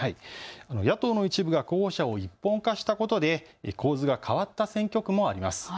野党の一部が候補者を一本化したことで構図が変わった選挙区もあります。